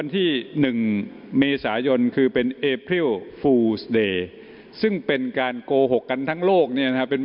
ท่านผู้ชมฟังนะฮะ